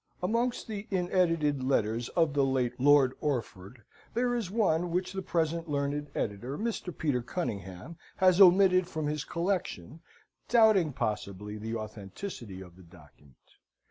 Amongst the inedited letters of the late Lord Orford, there is one which the present learned editor, Mr. Peter Cunningbam, has omitted from his collection, doubting possibly the authenticity of the document.